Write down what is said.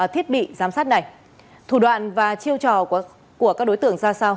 thủ đoạn và chiêu trò của các đối tượng ra sao